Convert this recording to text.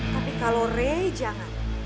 tapi kalau rey jangan